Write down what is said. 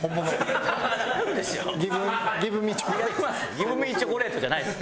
「ギブミーチョコレート」じゃないです。